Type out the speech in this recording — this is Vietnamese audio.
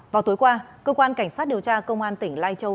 vào tối qua cơ quan cảnh sát điều tra công an tỉnh lai châu